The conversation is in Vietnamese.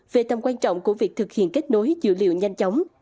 về tầm quan trọng của việc thực hiện kết nối dữ liệu nhanh chóng